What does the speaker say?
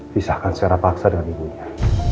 pisahkan secara paksa dengan ibunya